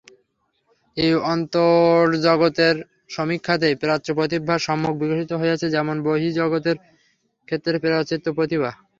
এই অন্তর্জগতের সমীক্ষাতেই প্রাচ্যপ্রতিভা সম্যক বিকশিত হইয়াছে, যেমন বহির্জগতের ক্ষেত্রে প্রতীচ্য প্রতিভা।